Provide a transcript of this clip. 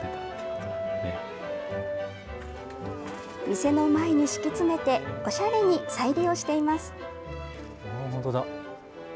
店の前に敷き詰めて、おしゃれに再利用しています。